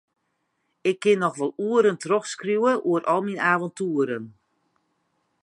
Ik kin noch wol oeren trochskriuwe oer al myn aventoeren.